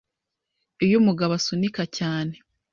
iyo umugabo asunika cyane,